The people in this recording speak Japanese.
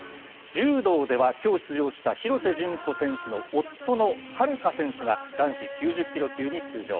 柔道ではきょう出場した廣瀬順子選手の夫の悠選手が男子９０キロ級に出場。